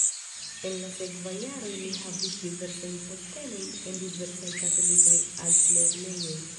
En la sekvaj jaroj li havis diversajn postenojn en diversaj katolikaj altlernejoj.